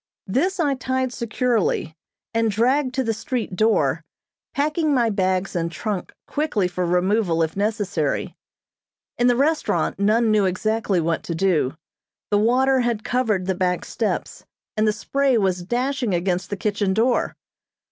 This I tied securely, and dragged to the street door, packing my bags and trunk quickly for removal if necessary. In the restaurant none knew exactly what to do. The water had covered the back steps, and the spray was dashing against the kitchen door.